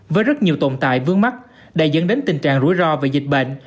với rất nhiều tồn tại vướng mắt đã dẫn đến tình trạng rủi ro về dịch bệnh